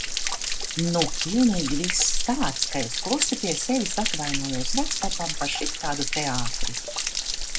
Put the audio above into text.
Nu, pilnīgi viss tāds, ka es klusi pie sevis atvainojos vecpapam par šitādu teātri.